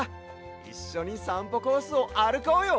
いっしょにさんぽコースをあるこうよ！